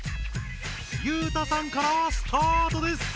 裕太さんからスタートです！